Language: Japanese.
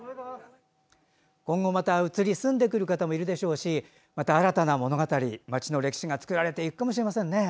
今後また移り住んでくる方もいるでしょうしまた新たな物語、街の歴史が作られていくかもしれませんね。